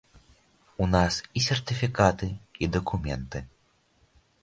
У нас і сертыфікаты, і дакументы.